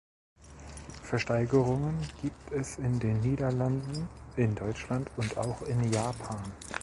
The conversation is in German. Versteigerungen gibt es in den Niederlanden, in Deutschland und auch in Japan.